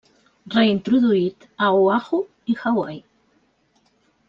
Reintroduït a Oahu i Hawaii.